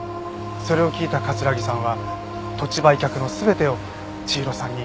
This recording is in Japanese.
それを聞いた桂木さんは土地売却の全てを千尋さんに一任しました。